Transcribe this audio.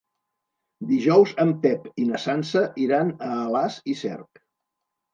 Dijous en Pep i na Sança iran a Alàs i Cerc.